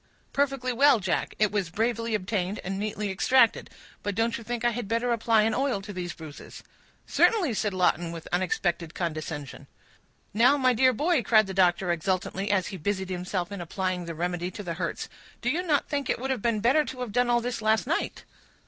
"Perfectly well, Jack; it was bravely obtained, and neatly extracted; but don't you think I had better apply an oil to these bruises?" "Certainly," said Lawton, with unexpected condescension. "Now, my dear boy," cried the doctor, exultantly, as he busied himself in applying the remedy to the hurts, "do you not think it would have been better to have done all this last night?"